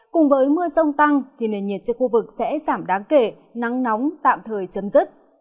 cùng với mưa rông tăng thì nền nhiệt trên khu vực sẽ giảm đáng kể nắng nóng tạm thời chấm dứt